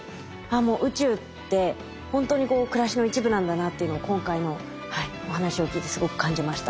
あもう宇宙ってほんとに暮らしの一部なんだなっていうのを今回のお話を聞いてすごく感じました。